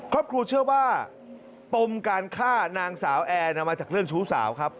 ครอบครัวเชื่อว่าปมการฆ่านางสาวแอร์มาจากเรื่องชู้สาวครับ